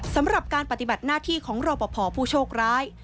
สำหรับการปฏิบัติหน้าที่ของรอปภผู้โชคร้าย